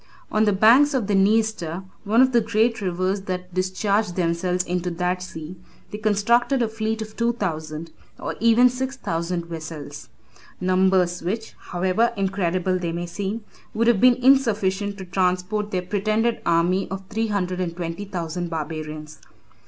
On the banks of the Niester, one of the great rivers that discharge themselves into that sea, they constructed a fleet of two thousand, or even of six thousand vessels; 11 numbers which, however incredible they may seem, would have been insufficient to transport their pretended army of three hundred and twenty thousand barbarians.